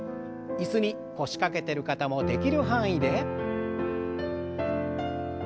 椅子に腰掛けてる方もできる範囲で。